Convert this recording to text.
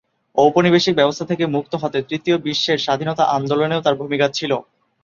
ঔপনিবেশিক ব্যবস্থা থেকে মুক্ত হতে তৃতীয় বিশ্বের স্বাধীনতা আন্দোলনেও তার ভূমিকা ছিল।